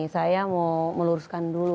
saya mau meluruskan dulu